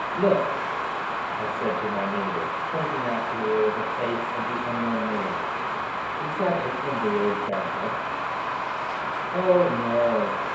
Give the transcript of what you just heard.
"Look!" I said to my neighbor, pointing out to her the face of the unknown man, "is that an embryo bankrupt?" "Oh, no!"